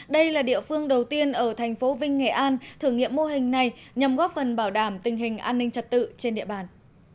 đây là địa phương đầu tiên ở thành phố vinh nghệ an thử nghiệm mô hình này nhằm góp phần bảo đảm tình hình an ninh trật tự trên địa bàn